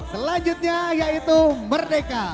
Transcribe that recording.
selanjutnya yaitu merdeka